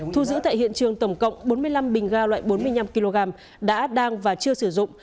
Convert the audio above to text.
thu giữ tại hiện trường tổng cộng bốn mươi năm bình ga loại bốn mươi năm kg đã đang và chưa sử dụng